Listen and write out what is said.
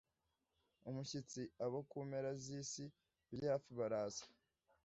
umushyitsi abo ku mpera z isi bigira hafi baraza